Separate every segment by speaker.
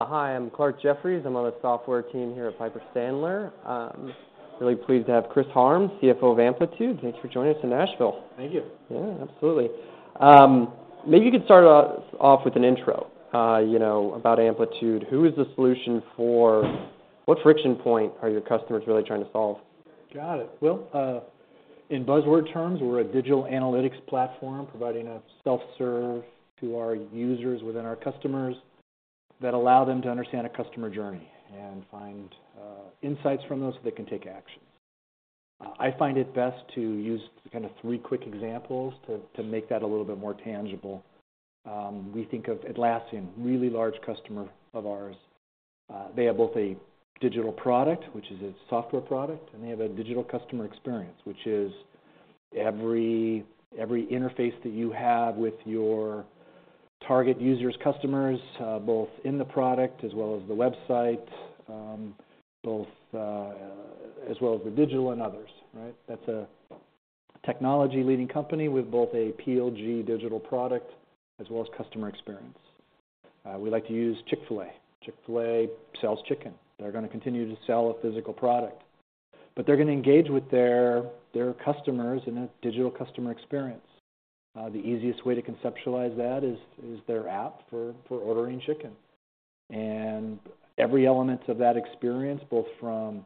Speaker 1: Hi, I'm Clarke Jeffries. I'm on the software team here at Piper Sandler. Really pleased to have Criss Harms, CFO of Amplitude. Thanks for joining us in Nashville.
Speaker 2: Thank you.
Speaker 1: Yeah, absolutely. Maybe you could start off with an intro, you know, about Amplitude. Who is the solution for? What friction point are your customers really trying to solve?
Speaker 2: Got it. Well, in buzzword terms, we're a digital analytics platform, providing a self-serve to our users within our customers that allow them to understand a customer journey and find insights from those so they can take action. I find it best to use kind of three quick examples to make that a little bit more tangible. We think of Atlassian, really large customer of ours. They have both a digital product, which is a software product, and they have a digital customer experience, which is every interface that you have with your target user's customers, both in the product as well as the website, both as well as the digital and others, right? That's a technology-leading company with both a PLG digital product as well as customer experience. We like to use Chick-fil-A. Chick-fil-A sells chicken. They're gonna continue to sell a physical product, but they're gonna engage with their customers in a digital customer experience. The easiest way to conceptualize that is their app for ordering chicken. And every element of that experience, both from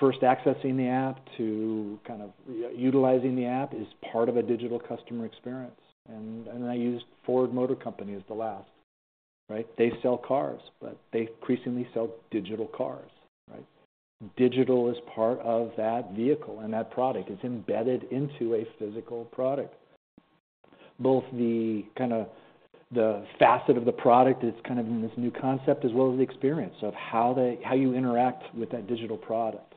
Speaker 2: first accessing the app to kind of utilizing the app, is part of a digital customer experience. And I use Ford Motor Company as the last, right? They sell cars, but they increasingly sell digital cars, right? Digital is part of that vehicle, and that product is embedded into a physical product. Both the kind of the facet of the product is kind of in this new concept, as well as the experience of how they-how you interact with that digital product.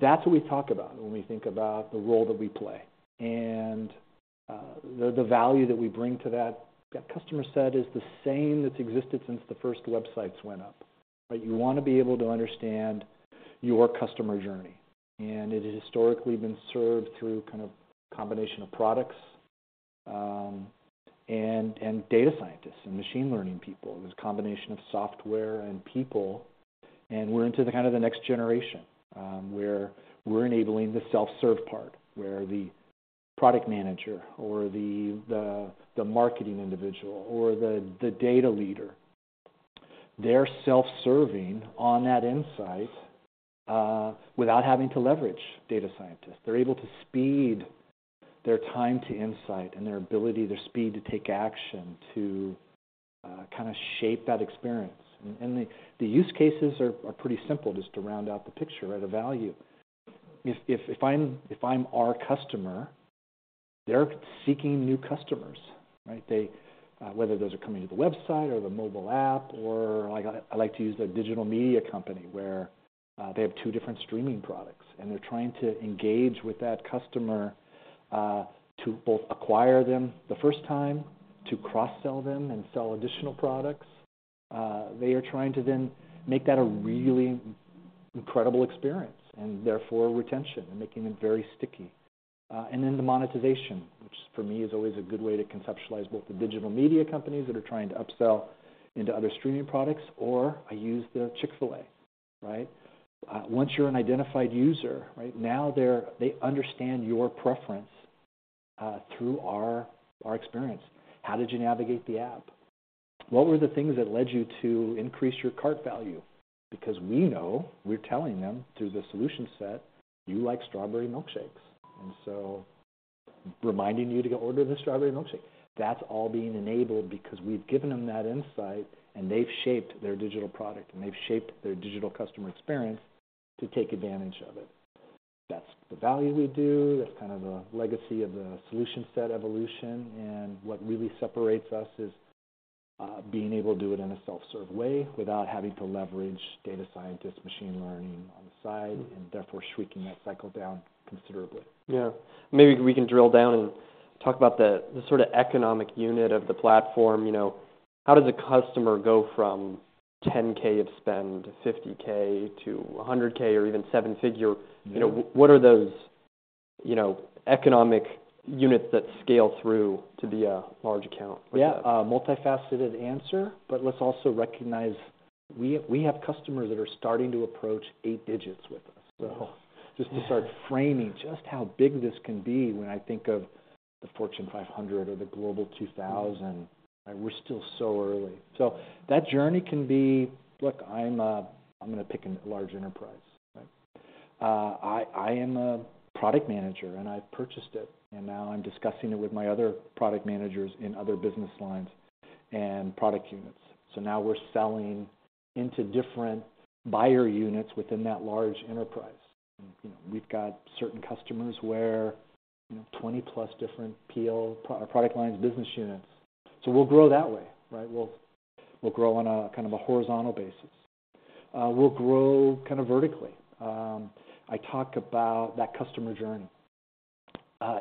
Speaker 2: That's what we talk about when we think about the role that we play. The value that we bring to that customer set is the same that's existed since the first websites went up, right? You wanna be able to understand your customer journey, and it has historically been served through kind of combination of products and data scientists and machine learning people. It was a combination of software and people, and we're into the kind of next generation, where we're enabling the self-serve part, where the product manager or the marketing individual or the data leader, they're self-serving on that insight without having to leverage data scientists. They're able to speed their time to insight and their ability, their speed to take action to kind of shape that experience. The use cases are pretty simple, just to round out the picture at a value. If I'm our customer, they're seeking new customers, right? They whether those are coming to the website or the mobile app, or I like to use a digital media company, where they have two different streaming products, and they're trying to engage with that customer to both acquire them the first time, to cross-sell them and sell additional products. They are trying to then make that a really incredible experience, and therefore, retention and making it very sticky. And then the monetization, which for me is always a good way to conceptualize both the digital media companies that are trying to upsell into other streaming products, or I use the Chick-fil-A, right? Once you're an identified user, right, now they understand your preference through our experience. How did you navigate the app? What were the things that led you to increase your cart value? Because we know, we're telling them through the solution set, "You like strawberry milkshakes," and so reminding you to go order the strawberry milkshake. That's all being enabled because we've given them that insight, and they've shaped their digital product, and they've shaped their digital customer experience to take advantage of it. That's the value we do. That's kind of the legacy of the solution set evolution, and what really separates us is being able to do it in a self-serve way without having to leverage data scientists, machine learning on the side, and therefore, shrinking that cycle down considerably.
Speaker 1: Yeah. Maybe we can drill down and talk about the economic unit of the platform. You know, how does a customer go from $10K of spend to $50K-$100K or even seven-figure?
Speaker 2: Yeah.
Speaker 1: You know, what are those, you know, economic units that scale through to be a large account?
Speaker 2: Yeah, a multifaceted answer, but let's also recognize we have customers that are starting to approach 8 digits with us.
Speaker 1: Whoa!
Speaker 2: So just to start framing just how big this can be when I think of the Fortune 500 or the Global 2000, and we're still so early. So that journey can be... Look, I'm gonna pick a large enterprise. I am a product manager, and I've purchased it, and now I'm discussing it with my other product managers in other business lines and product units. So now we're selling into different buyer units within that large enterprise. You know, we've got certain customers where, you know, 20+ different PL, product lines, business units. So we'll grow that way, right? We'll grow on a kind of a horizontal basis. We'll grow kind of vertically. I talk about that customer journey.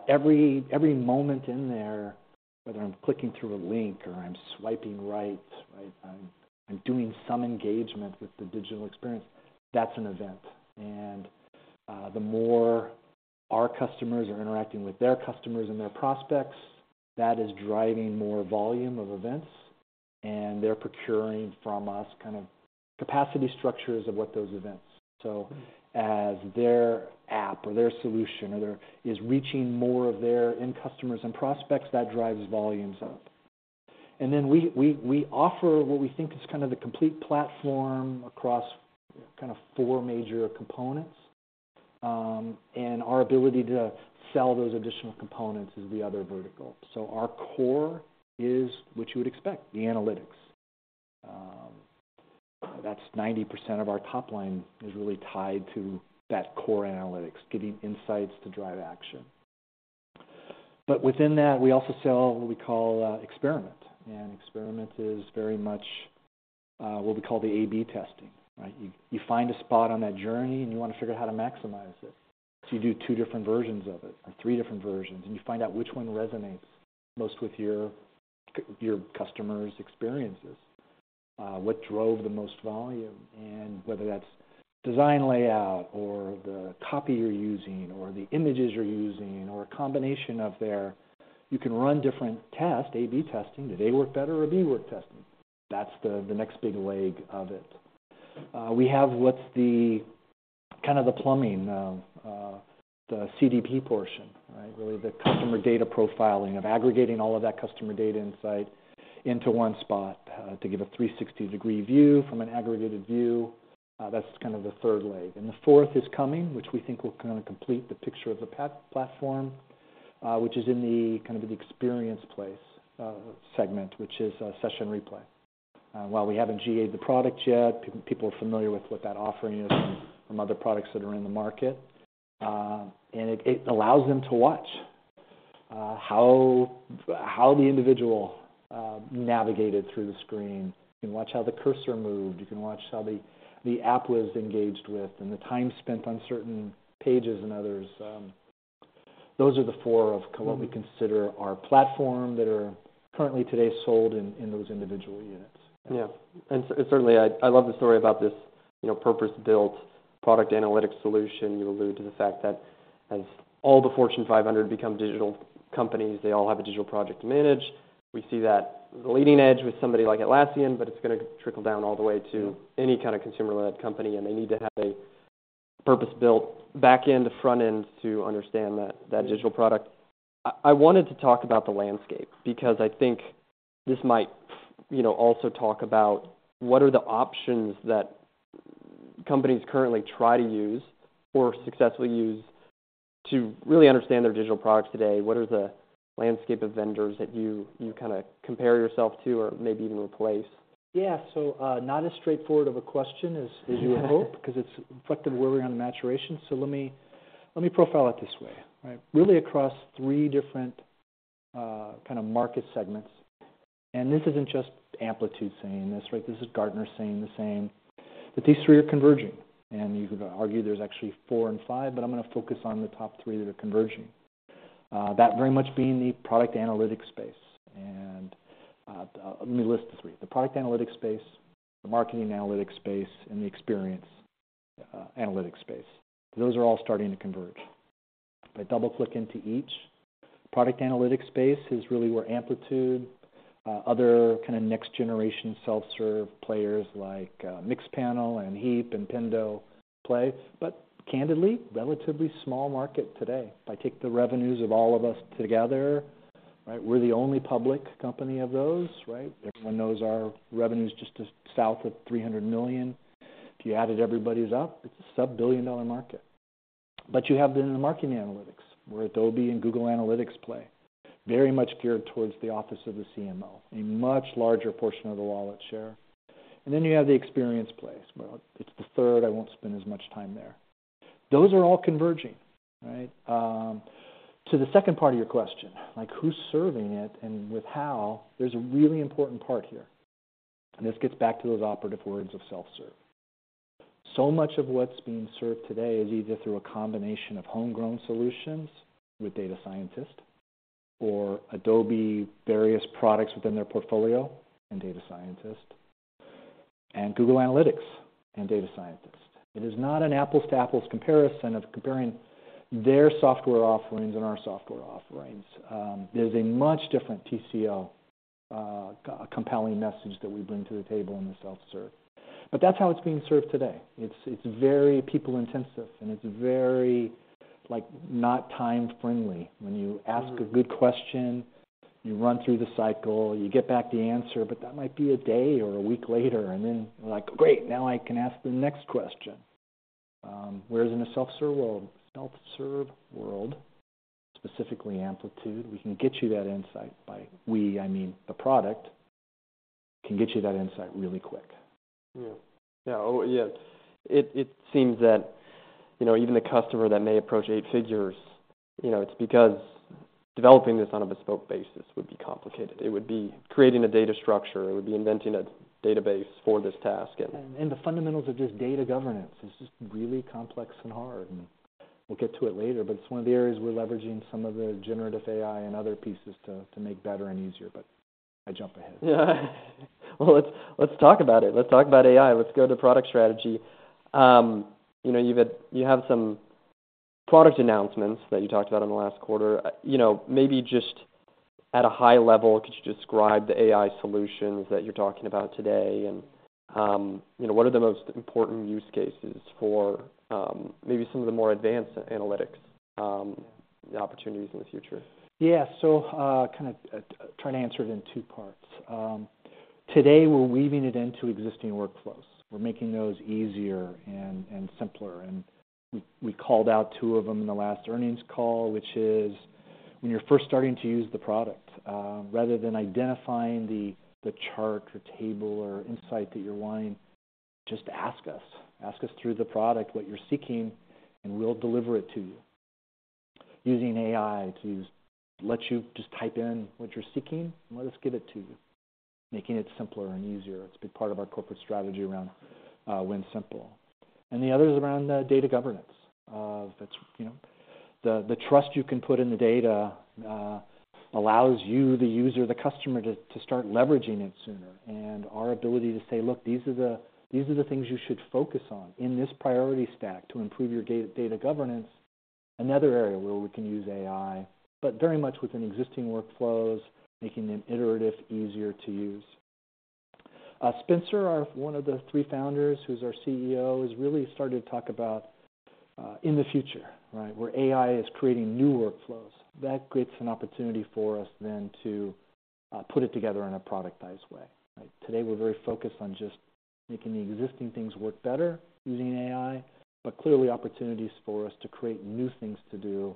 Speaker 2: Every, every moment in there, whether I'm clicking through a link or I'm swiping right, right, I'm, I'm doing some engagement with the digital experience, that's an event. And, our customers are interacting with their customers and their prospects. That is driving more volume of events, and they're procuring from us kind of capacity structures of what those events. So as their app or their solution or their, is reaching more of their end customers and prospects, that drives volumes up. And then we, we, we offer what we think is kind of the complete platform across kind of four major components, and our ability to sell those additional components is the other vertical. So our core is what you would expect, the analytics. That's 90% of our top line is really tied to that core analytics, getting insights to drive action. But within that, we also sell what we call Experiment, and Experiment is very much what we call the A/B testing, right? You find a spot on that journey, and you wanna figure out how to maximize it. So you do two different versions of it or three different versions, and you find out which one resonates most with your customers' experiences, what drove the most volume, and whether that's design layout or the copy you're using or the images you're using, or a combination of there. You can run different tests, A/B testing. Do they work better, or B work testing? That's the next big leg of it. We have what's the kind of the plumbing, the CDP portion, right? Really the customer data profiling of aggregating all of that customer data insight into one spot, to give a 360-degree view from an aggregated view. That's kind of the third leg. And the fourth is coming, which we think will kinda complete the picture of the platform, which is in the kind of the experience place, segment, which is Session Replay. While we haven't GA'd the product yet, people are familiar with what that offering is from other products that are in the market. And it allows them to watch how the individual navigated through the screen. You can watch how the cursor moved, you can watch how the app was engaged with, and the time spent on certain pages and others. Those are the four of what we consider our platform that are currently today sold in those individual units.
Speaker 1: Yeah. And certainly I love the story about this, you know, purpose-built product analytic solution. You allude to the fact that as all the Fortune 500 become digital companies, they all have a digital product to manage. We see that the leading edge with somebody like Atlassian, but it's gonna trickle down all the way to-
Speaker 2: Yeah...
Speaker 1: any kind of consumer-led company, and they need to have a purpose-built back-end to front-end to understand that, that digital product. I wanted to talk about the landscape because I think this might, you know, also talk about what are the options that companies currently try to use or successfully use to really understand their digital products today? What are the landscape of vendors that you kinda compare yourself to or maybe even replace?
Speaker 2: Yeah. So, not as straightforward of a question as you had hoped—'cause it's reflective of where we are on the maturation. So let me profile it this way, right? Really across three different kind of market segments, and this isn't just Amplitude saying this, right? This is Gartner saying the same, that these three are converging, and you could argue there's actually four and five, but I'm gonna focus on the top three that are converging. That very much being the product analytics space. And let me list the three: the product analytics space, the marketing analytics space, and the experience analytics space. Those are all starting to converge. If I double-click into each, product analytics space is really where Amplitude, other kinda next-generation self-serve players like, Mixpanel and Heap and Pendo play, but candidly, relatively small market today. If I take the revenues of all of us together, right, we're the only public company of those, right? Everyone knows our revenue's just south of $300 million. If you added everybody's up, it's a sub-$1 billion market. But you have then the marketing analytics, where Adobe and Google Analytics play, very much geared towards the office of the CMO, a much larger portion of the wallet share. And then you have the experience space. Well, it's the third. I won't spend as much time there. Those are all converging, right? To the second part of your question, like, who's serving it and with how? There's a really important part here, and this gets back to those operative words of self-serve. So much of what's being served today is either through a combination of homegrown solutions with data scientists or Adobe, various products within their portfolio and data scientists, and Google Analytics and data scientists. It is not an apples to apples comparison of comparing their software offerings and our software offerings. There's a much different TCO, compelling message that we bring to the table in the self-serve. But that's how it's being served today. It's very people-intensive, and it's very, like, not time-friendly.
Speaker 1: Mm.
Speaker 2: When you ask a good question, you run through the cycle, you get back the answer, but that might be a day or a week later, and then you're like: "Great, now I can ask the next question." Whereas in a self-serve world, self-serve world, specifically Amplitude, we can get you that insight. By we, I mean, the product can get you that insight really quick.
Speaker 1: Yeah. Yeah. Oh, yeah, it seems that, you know, even the customer that may approach eight figures, you know, it's because developing this on a bespoke basis would be complicated. It would be creating a data structure. It would be inventing a database for this task, and-
Speaker 2: The fundamentals of just Data Governance is just really complex and hard, and we'll get to it later, but it's one of the areas we're leveraging some of the generative AI and other pieces to make better and easier, but... I jump ahead.
Speaker 1: Well, let's talk about it. Let's talk about AI. Let's go to product strategy. You know, you have some product announcements that you talked about in the last quarter. You know, maybe just at a high level, could you describe the AI solutions that you're talking about today? And, you know, what are the most important use cases for, maybe some of the more advanced analytics, opportunities in the future?
Speaker 2: Yeah. So, kinda, try to answer it in two parts. Today, we're weaving it into existing workflows. We're making those easier and simpler, and we called out two of them in the last earnings call, which is when you're first starting to use the product, rather than identifying the chart or table or insight that you're wanting, just ask us. Ask us through the product what you're seeking, and we'll deliver it to you. Using AI to just let you type in what you're seeking, and let us give it to you, making it simpler and easier. It's a big part of our corporate strategy around Win Simple. And the other is around Data Governance. That's, you know, the, the trust you can put in the data allows you, the user, the customer, to start leveraging it sooner. And our ability to say, "Look, these are the... These are the things you should focus on in this priority stack to improve your data governance," another area where we can use AI, but very much within existing workflows, making them iterative, easier to use. Spenser, our one of the three founders, who's our CEO, has really started to talk about, in the future, right, where AI is creating new workflows. That creates an opportunity for us then to put it together in a productized way, right? Today, we're very focused on just making the existing things work better using AI, but clearly opportunities for us to create new things to do,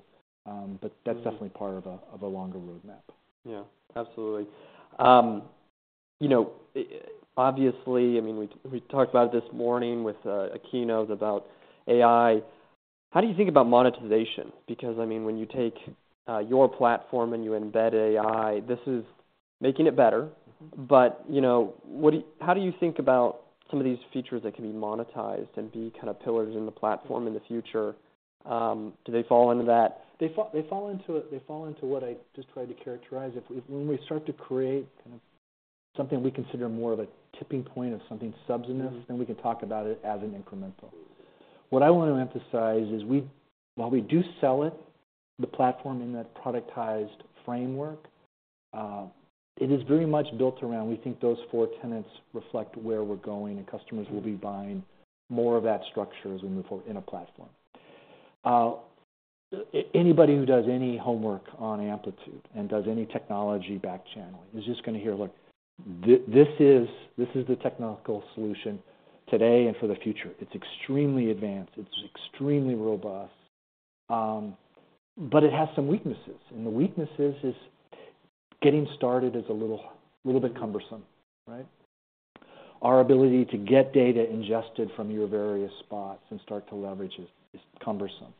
Speaker 2: but that's definitely part of a longer roadmap.
Speaker 1: Yeah, absolutely. You know, obviously, I mean, we talked about it this morning with a keynote about AI. How do you think about monetization? Because, I mean, when you take your platform, and you embed AI, this is making it better. But, you know, how do you think about some of these features that can be monetized and be kind of pillars in the platform in the future? Do they fall into that?
Speaker 2: They fall into what I just tried to characterize. When we start to create kind of something we consider more of a tipping point of something substantive-
Speaker 1: Mm-hmm.
Speaker 2: Then we can talk about it as an incremental. What I wanna emphasize is while we do sell it, the platform, in that productized framework, it is very much built around... We think those four tenets reflect where we're going, and customers will be buying more of that structure as we move forward in a platform. Anybody who does any homework on Amplitude and does any technology backchanneling is just gonna hear, look, this is, this is the technical solution today and for the future. It's extremely advanced, it's extremely robust, but it has some weaknesses, and the weaknesses is getting started is a little bit cumbersome, right? Our ability to get data ingested from your various spots and start to leverage is cumbersome.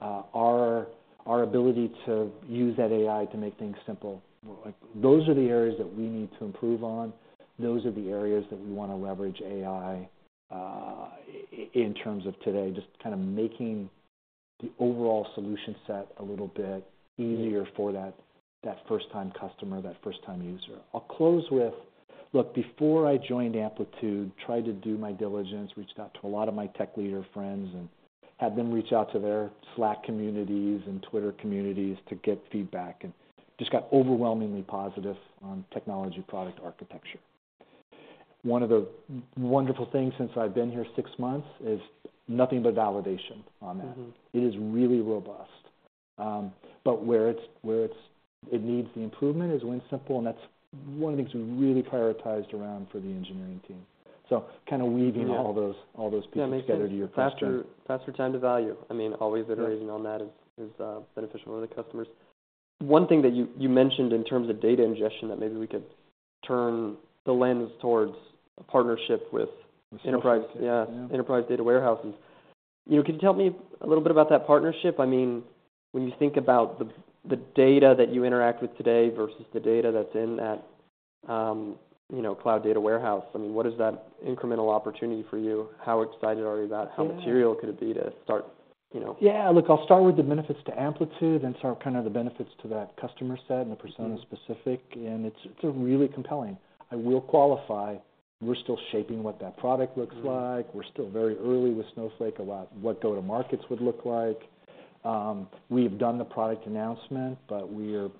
Speaker 2: Our ability to use that AI to make things simple, like, those are the areas that we need to improve on. Those are the areas that we wanna leverage AI, in terms of today, just kind of making the overall solution set a little bit easier for that first-time customer, that first-time user. I'll close with... Look, before I joined Amplitude, tried to do my diligence, reached out to a lot of my tech leader friends and had them reach out to their Slack communities and Twitter communities to get feedback, and just got overwhelmingly positive on technology product architecture. One of the wonderful things since I've been here six months is nothing but validation on that.
Speaker 1: Mm-hmm.
Speaker 2: It is really robust. But where it's- it needs the improvement is Win Simple, and that's one of the things we really prioritized around for the engineering team. So kind of weaving-
Speaker 1: Yeah...
Speaker 2: all those, all those pieces together to your question.
Speaker 1: Faster, faster time to value. I mean, always iterating-
Speaker 2: Yeah...
Speaker 1: on that is beneficial to the customers. One thing that you mentioned in terms of data ingestion, that maybe we could turn the lens towards a partnership with-
Speaker 2: Snowflake.
Speaker 1: -Enterprise, yeah-
Speaker 2: Yeah...
Speaker 1: enterprise data warehouses. You know, can you tell me a little bit about that partnership? I mean, when you think about the, the data that you interact with today versus the data that's in that, you know, cloud data warehouse, I mean, what is that incremental opportunity for you? How excited are you about?
Speaker 2: Yeah.
Speaker 1: How material could it be to start, you know?
Speaker 2: Yeah. Look, I'll start with the benefits to Amplitude and sort of, kind of, the benefits to that customer set-
Speaker 1: Mm-hmm...
Speaker 2: and the persona specific, and it's, it's really compelling. I will qualify, we're still shaping what that product looks like.
Speaker 1: Mm.
Speaker 2: We're still very early with Snowflake about what go-to markets would look like. We have done the product announcement, but we're, you know,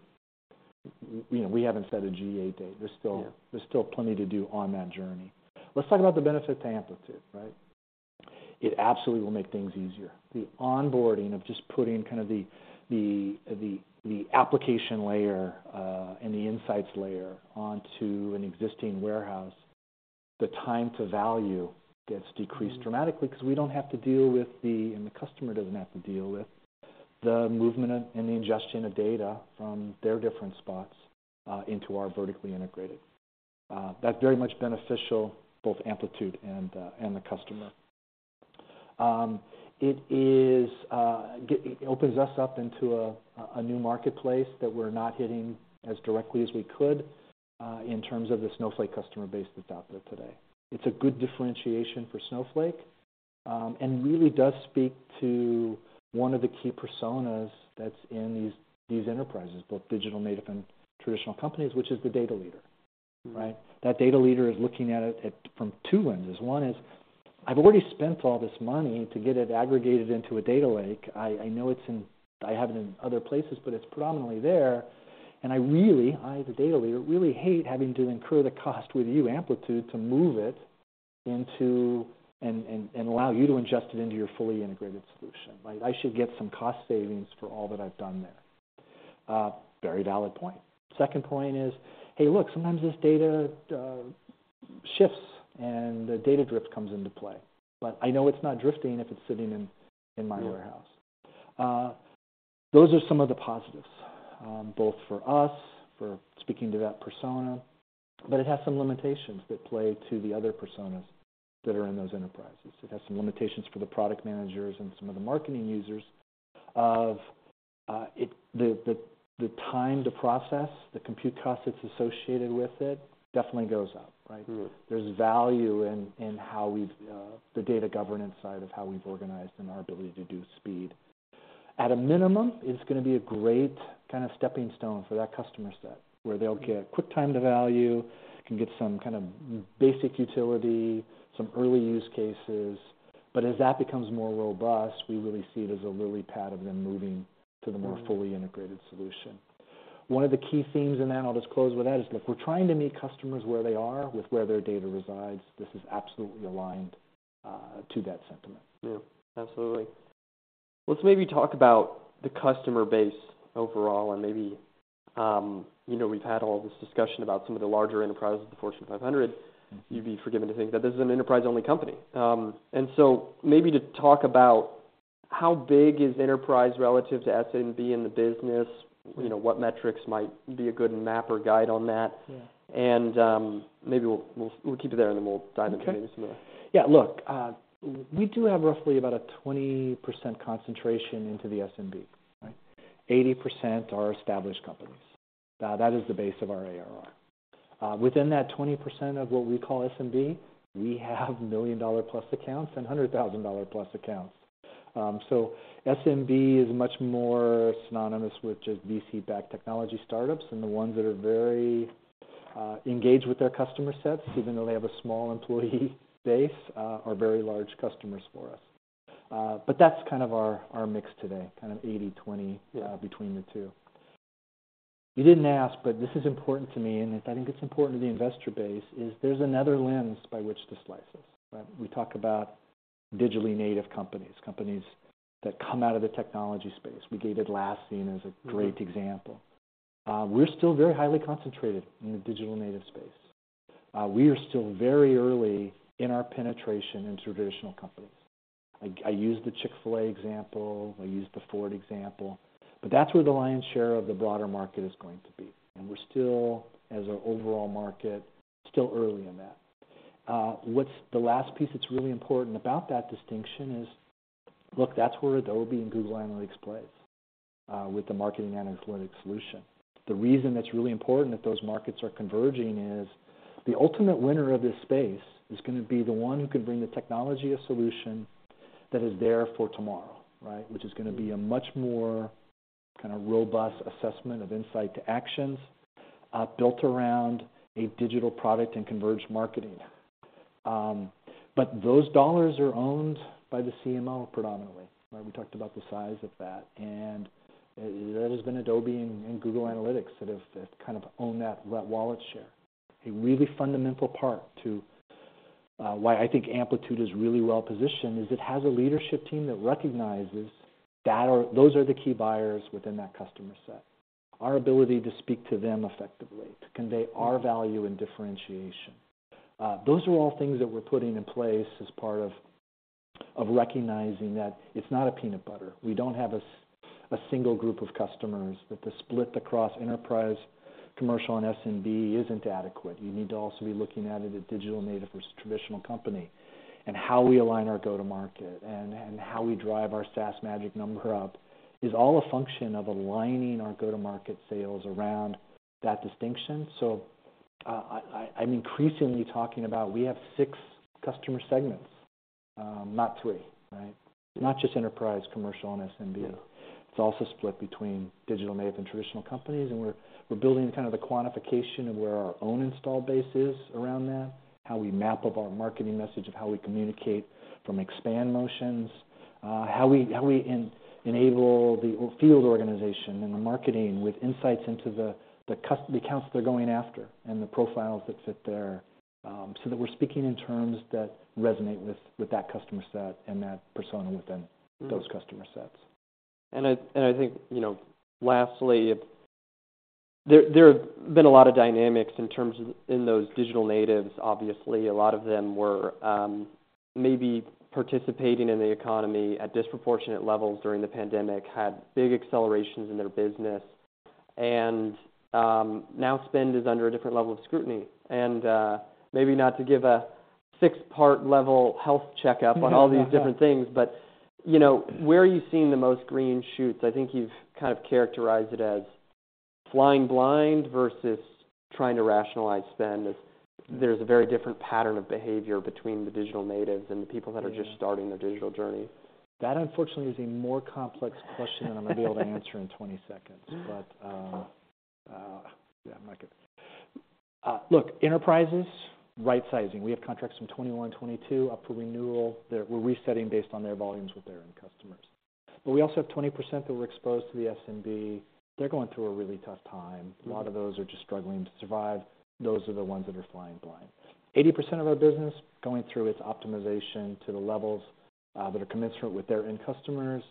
Speaker 2: we haven't set a GA date.
Speaker 1: Yeah.
Speaker 2: There's still plenty to do on that journey. Let's talk about the benefit to Amplitude, right? It absolutely will make things easier. The onboarding of just putting kind of the application layer and the insights layer onto an existing warehouse, the time to value gets decreased-
Speaker 1: Mm...
Speaker 2: dramatically 'cause we don't have to deal with the, and the customer doesn't have to deal with, the movement and the ingestion of data from their different spots into our vertically integrated. That's very much beneficial, both Amplitude and the customer. It is, it opens us up into a new marketplace that we're not hitting as directly as we could, in terms of the Snowflake customer base that's out there today. It's a good differentiation for Snowflake... and really does speak to one of the key personas that's in these enterprises, both digital-native and traditional companies, which is the data leader, right? That data leader is looking at it from two lenses. One is, I've already spent all this money to get it aggregated into a data lake. I know it's in-- I have it in other places, but it's predominantly there, and I really, the data leader, really hate having to incur the cost with you, Amplitude, to move it into... and allow you to ingest it into your fully integrated solution, right? I should get some cost savings for all that I've done there. Very valid point. Second point is, hey, look, sometimes this data shifts, and the data drift comes into play, but I know it's not drifting if it's sitting in my warehouse.
Speaker 1: Yeah.
Speaker 2: Those are some of the positives, both for us, for speaking to that persona, but it has some limitations that play to the other personas that are in those enterprises. It has some limitations for the product managers and some of the marketing users of it, the time to process, the compute costs that's associated with it, definitely goes up, right?
Speaker 1: Mm-hmm.
Speaker 2: There's value in how we've the Data Governance side of how we've organized and our ability to do speed. At a minimum, it's gonna be a great kind of stepping stone for that customer set, where they'll get quick time to value, can get some kind of basic utility, some early use cases, but as that becomes more robust, we really see it as a lily pad of them moving-
Speaker 1: Mm...
Speaker 2: to the more fully integrated solution. One of the key themes in that, I'll just close with that, is, look, we're trying to meet customers where they are with where their data resides. This is absolutely aligned to that sentiment.
Speaker 1: Yeah, absolutely. Let's maybe talk about the customer base overall and maybe, you know, we've had all this discussion about some of the larger enterprises, the Fortune 500. You'd be forgiven to think that this is an enterprise-only company. And so maybe just talk about how big is enterprise relative to SMB in the business? You know, what metrics might be a good map or guide on that.
Speaker 2: Yeah.
Speaker 1: Maybe we'll keep you there, and then we'll dive into maybe some more.
Speaker 2: Okay. Yeah, look, we do have roughly about a 20% concentration into the SMB, right? 80% are established companies. That is the base of our ARR. Within that 20% of what we call SMB, we have $1 million+ accounts and $100,000+ accounts. So SMB is much more synonymous with just VC-backed technology startups than the ones that are very engaged with their customer sets, even though they have a small employee base, are very large customers for us. But that's kind of our, our mix today, kind of 80/20-
Speaker 1: Yeah...
Speaker 2: between the two. You didn't ask, but this is important to me, and I think it's important to the investor base, is there's another lens by which to slice this, right? We talk about digitally native companies, companies that come out of the technology space. We gave Atlassian as a great example.
Speaker 1: Mm-hmm.
Speaker 2: We're still very highly concentrated in the digital native space. We are still very early in our penetration into traditional companies. I used the Chick-fil-A example, I used the Ford example, but that's where the lion's share of the broader market is going to be, and we're still, as our overall market, still early in that. What's the last piece that's really important about that distinction is, look, that's where Adobe and Google Analytics plays, with the marketing and analytics solution. The reason that's really important that those markets are converging is, the ultimate winner of this space is gonna be the one who can bring the technology a solution that is there for tomorrow, right?
Speaker 1: Mm.
Speaker 2: Which is gonna be a much more kind of robust assessment of insight to actions, built around a digital product and converged marketing. But those dollars are owned by the CMO predominantly, right? We talked about the size of that, and it has been Adobe and Google Analytics that have kind of own that wallet share. A really fundamental part to why I think Amplitude is really well positioned is it has a leadership team that recognizes that. Those are the key buyers within that customer set. Our ability to speak to them effectively, to convey our value and differentiation, those are all things that we're putting in place as part of recognizing that it's not a peanut butter. We don't have a single group of customers, that the split across enterprise, commercial, and SMB isn't adequate. You need to also be looking at it as digital native versus traditional company, and how we align our go-to-market and how we drive our SaaS Magic Number up, is all a function of aligning our go-to-market sales around that distinction. So, I'm increasingly talking about we have six customer segments, not three, right? Not just enterprise, commercial, and SMB.
Speaker 1: Yeah.
Speaker 2: It's also split between digital native and traditional companies, and we're building kind of the quantification of where our own install base is around that, how we map up our marketing message of how we communicate from expand motions, how we enable the field organization and the marketing with insights into the customer accounts they're going after and the profiles that fit there, so that we're speaking in terms that resonate with that customer set and that persona within-
Speaker 1: Mm...
Speaker 2: those customer sets.
Speaker 1: I think, you know, lastly, if... There have been a lot of dynamics in terms of, in those digital natives. Obviously, a lot of them were, maybe participating in the economy at disproportionate levels during the pandemic, had big accelerations in their business, and, now spend is under a different level of scrutiny. And, maybe not to give a six-part-level health checkup on all these different things, but, you know, where are you seeing the most green shoots? I think you've kind of characterized it as flying blind versus trying to rationalize spend, as there's a very different pattern of behavior between the digital natives and the people that are just-
Speaker 2: Yeah...
Speaker 1: starting their digital journey.
Speaker 2: That, unfortunately, is a more complex question than I'm gonna be able to answer in 20 seconds. But, I'm not gonna look, enterprises, right-sizing. We have contracts from 2021, 2022 up for renewal that we're resetting based on their volumes with their end customers. But we also have 20% that we're exposed to the SMB. They're going through a really tough time.
Speaker 1: Mm.
Speaker 2: A lot of those are just struggling to survive. Those are the ones that are flying blind. 80% of our business, going through its optimization to the levels that are commensurate with their end customers.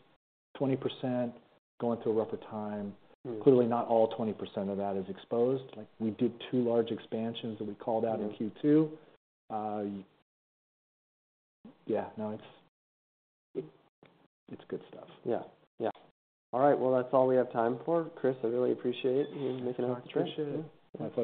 Speaker 2: 20%, going through a rougher time.
Speaker 1: Mm.
Speaker 2: Clearly, not all 20% of that is exposed. Like, we did 2 large expansions that we called out in Q2.
Speaker 1: Yeah.
Speaker 2: Yeah, no, it's good stuff.
Speaker 1: Yeah. Yeah. All right. Well, that's all we have time for. Criss, I really appreciate you making the time.
Speaker 2: Appreciation. Bye bye.